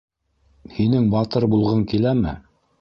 -Һинең батыр булғың киләме?